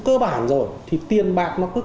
cơ bản rồi thì tiền bạc nó cứ